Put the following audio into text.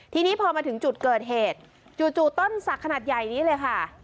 ทีนี้พอมาถึงจุดเกิดเหตุจู่ต้นสักขนาดใหญ่นี้เลยค่ะ